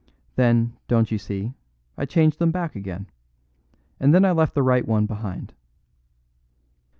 Then, don't you see, I changed them back again. And then I left the right one behind."